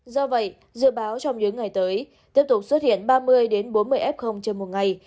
do vậy dự báo trong những ngày tới tiếp tục xuất hiện ba mươi bốn mươi f trên một ngày